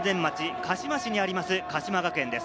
鹿嶋市にある鹿島学園です。